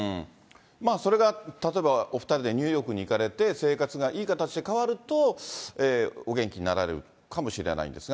それが例えば、お２人でニューヨークに行かれて、生活がいい形で変わると、お元気になられるかもしれないんですが。